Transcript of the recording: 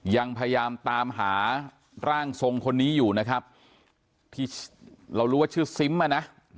ยังพยายามตามหาร่างทรงคนนี้อยู่นะครับที่เรารู้ว่าชื่อซิมอ่ะนะ